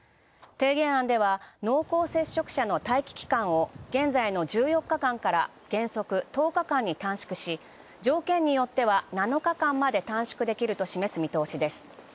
提言案では濃厚接触者の待機期間を現在の１４日間から原則１０日間に短縮し、条件によっては７日間まで短縮できる見通しです。